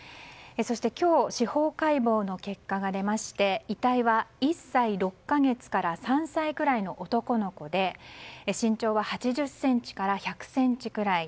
そして今日司法解剖の結果が出まして遺体は１歳６か月から３歳くらいの男の子で身長が８０ｃｍから１００ｃｍくらい。